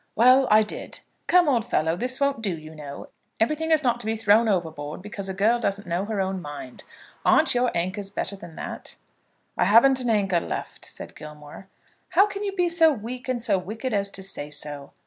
"Well, I did. Come, old fellow, this won't do, you know. Everything is not to be thrown overboard because a girl doesn't know her own mind. Aren't your anchors better than that?" "I haven't an anchor left," said Gilmore. "How can you be so weak and so wicked as to say so?